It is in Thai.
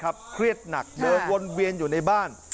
เครียดหนักเดินวนเวียนอยู่ในบ้าน